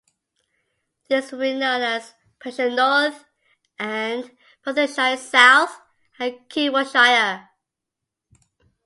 These will be known as Perthshire North and Perthshire South and Kinross-shire.